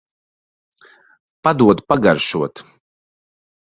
Padod pagaršot.